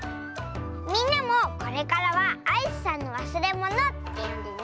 みんなもこれからは「アイスさんのわすれもの」ってよんでね！